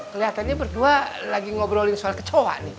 kelihatannya berdua lagi ngobrolin soal kecoa nih